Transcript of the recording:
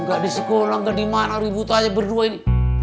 nggak di sekolah nggak di mana ribut aja berdua ini